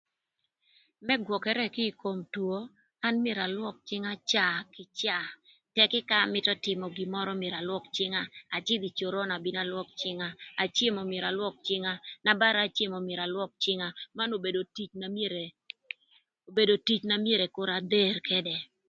Më gwökërë kï ï kom two, an myero alwök cïnga caa kï caa tëkï ka amïtö tïmö gin mörö an myero alwök cïnga, acïdhö ï coron abin alwök cïnga, acemo myero alwök cïnga, na bara acemo myero alwök cïnga, man obedo tic na myero obedo tic na myero kur adher këdë.